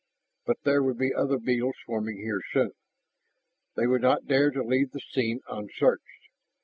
But there would be other beetles swarming here soon. They would not dare to leave the scene unsearched.